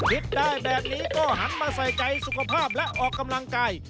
คิดได้แบบนี้ก็หันมาใส่ใจสุขภาพและออกกำลังกาย